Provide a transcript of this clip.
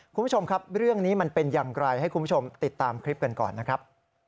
คุณผู้ชมครับเรื่องนี้มันเป็นอย่างไรให้คุณผู้ชมติดตามคลิปกันก่อนนะครับ